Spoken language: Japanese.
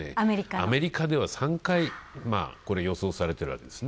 アメリカでは３回、これ、予想されてるわけですね。